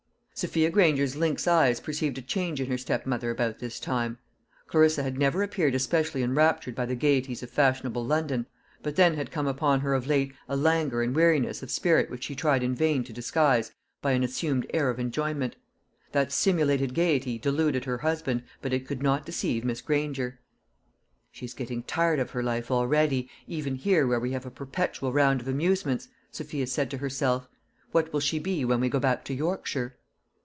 Sophia Granger's lynx eyes perceived a change in her step mother about this time. Clarissa had never appeared especially enraptured by the gaieties of fashionable London; but then had come upon her of late a languor and weariness of spirit which she tried in vain to disguise by an assumed air of enjoyment. That simulated gaiety deluded her husband, but it could not deceive Miss Granger. "She's getting tired of her life already, even here where we have a perpetual round of amusements," Sophia said to herself. "What will she be when we go back to Yorkshire?"